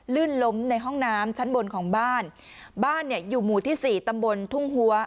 ลื่นล้มในห้องน้ำชั้นบนของบ้านบ้านเนี่ยอยู่หมู่ที่สี่ตำบลทุ่งหัว